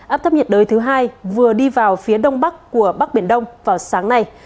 áp thấp nhiệt đới thứ hai vừa đi vào phía đông bắc của bắc biển đông vào sáng nay